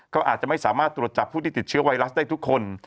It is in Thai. ก็อาจจะไม่สามารถตรวจจับผู้ที่ติดเชื้อไวรัสได้ทุกคน